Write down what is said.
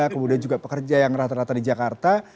kemudian juga pekerja yang rata rata di jakarta